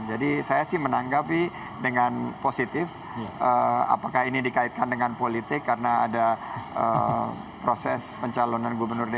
jadi saya sih menanggapi dengan positif apakah ini dikaitkan dengan politik karena ada proses pencalonan gubernur dki